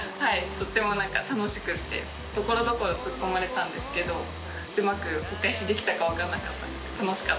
とっても楽しくってところどころツッコまれたんですけどうまくお返しできたか分かんなかったんですけど楽しかったです。